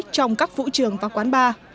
trong các vũ trường và quán bar